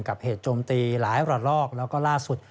กับเหตุโจมตีหลายหร่อและราศุทธิ์